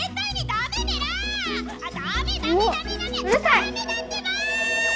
ダメだってば！